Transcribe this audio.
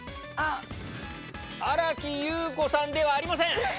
新木優子さんではありません。